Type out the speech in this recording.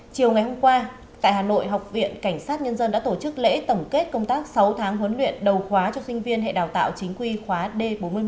chiều ngày hôm qua tại hà nội học viện cảnh sát nhân dân đã tổ chức lễ tổng kết công tác sáu tháng huấn luyện đầu khóa cho sinh viên hệ đào tạo chính quy khóa d bốn mươi một